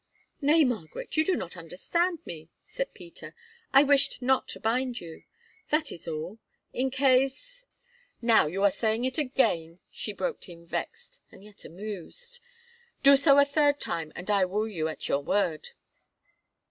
"Nay, Margaret, you do not understand me," said Peter. "I wished not to bind you, that is all, in case——" "Now you are saying it again," she broke in vexed, and yet amused. "Do so a third time, and I will take you at your word."